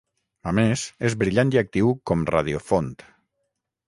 A més, és brillant i actiu com radiofont.